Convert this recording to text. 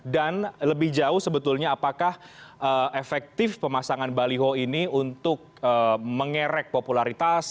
dan lebih jauh sebetulnya apakah efektif pemasangan baliho ini untuk mengerek popularitas